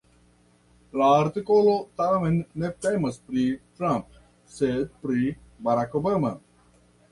La artikolo tamen ne temas pri Trump, sed pri Barack Obama.